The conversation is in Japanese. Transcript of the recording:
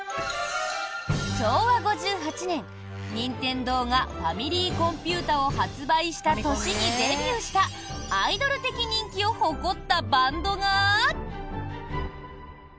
昭和５８年、任天堂がファミリーコンピュータを発売した年にデビューしたアイドル的人気を誇ったバンドが。